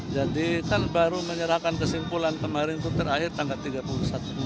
jadi kan baru menyerahkan kesimpulan kemarin itu terakhir tanggal tiga puluh satu